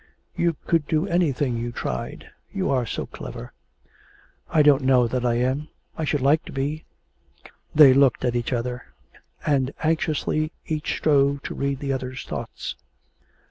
You could do anything you tried. You are so clever.' 'I don't know that I am; I should like to be.' They looked at each other, and anxiously each strove to read the other's thoughts.